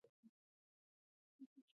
د ارزونې پریکړه په څلورو میاشتو کې کیږي.